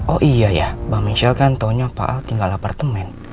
oh iya ya bang michelle kan taunya pak al tinggal apartemen